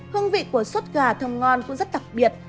hương vị của suất gà thơm ngon cũng rất đặc biệt